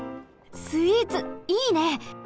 スイーツいいね！